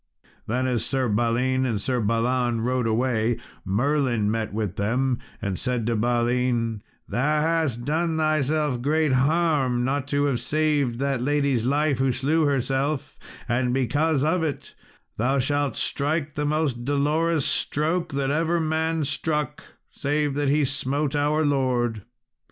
Then as Sir Balin and Sir Balan rode away, Merlin met with them, and said to Balin, "Thou hast done thyself great harm not to have saved that lady's life who slew herself; and because of it, thou shalt strike the most Dolorous Stroke that ever man struck, save he that smote our Lord.